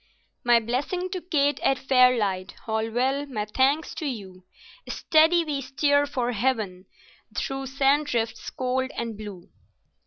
My blessing to Kate at Fairlight—Holwell, my thanks to you; Steady! We steer for heaven, through sand drifts cold and blue."